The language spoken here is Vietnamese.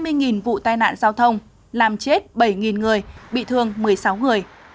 trong vòng hai mươi vụ tai nạn giao thông làm chết bảy người bị thương một mươi sáu người